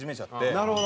なるほど。